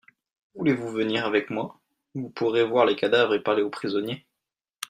Voulez-vous venir avec moi ? Vous pourrez voir les cadavres et parler au prisonnier.